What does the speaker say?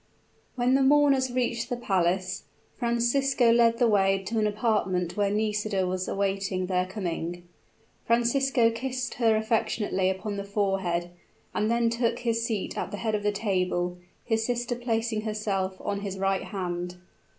When the mourners reached the palace, Francisco led the way to an apartment where Nisida was awaiting their coming. Francisco kissed her affectionately upon the forehead; and then took his seat at the head of the table, his sister placing herself on his right hand.